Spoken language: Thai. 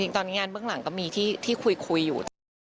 ตอนนี้งานเบื้องหลังก็มีที่คุยอยู่